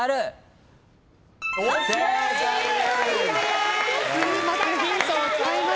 正解です。